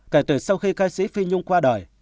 kể từ sau khi ca sĩ phi nhung qua đời